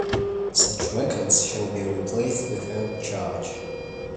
Such records shall be replaced without charge.